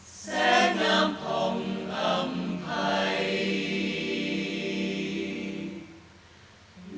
ฆ่าใครงามแสงน้ำผ่องอ่ำไพร